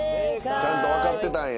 ちゃんとわかってたんや。